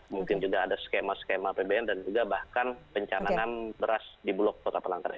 mungkin juga ada skema skema apbn dan juga bahkan pencanangan beras di bulog kota palangkaraya